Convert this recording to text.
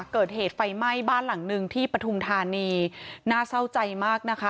เกิดเหตุไฟไหม้บ้านหลังหนึ่งที่ปฐุมธานีน่าเศร้าใจมากนะคะ